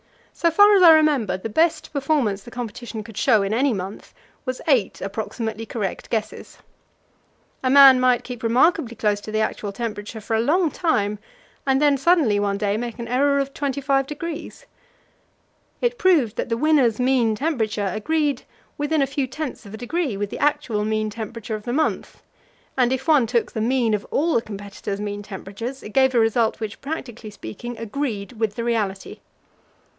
So far as I remember, the best performance the competition could show in any month was eight approximately correct guesses. A man might keep remarkably close to the actual temperature for a long time, and then suddenly one day make an error of 25°. It proved that the winner's mean temperature agreed within a few tenths of a degree with the actual mean temperature of the month, and if one took the mean of all the competitors' mean temperatures, it gave a result which, practically speaking, agreed with the reality.